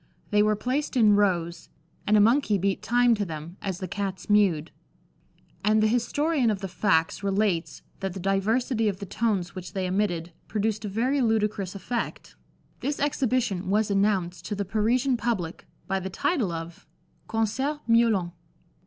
They were placed in rows, and a monkey beat time to them, as the Cats mewed; and the historian of the facts relates that the diversity of the tones which they emitted produced a very ludicrous effect. This exhibition was announced to the Parisian public by the title of "Concert Miaulant."